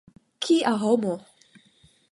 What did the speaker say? Kia homo!